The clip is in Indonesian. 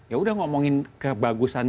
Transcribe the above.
ya udah ngomongin kebagusan